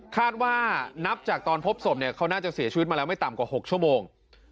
คาดว่านับจากตอนพบศพเนี่ยเขาน่าจะเสียชีวิตมาแล้วไม่ต่ำกว่า๖ชั่วโมง